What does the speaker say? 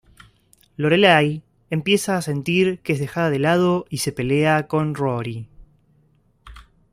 Lorelai empieza a sentir que es dejada de lado y se pelea con Rory.